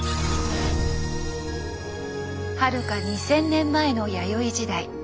はるか２，０００年前の弥生時代。